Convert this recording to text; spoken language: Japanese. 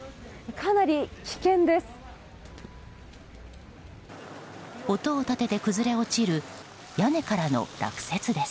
かなり危険です。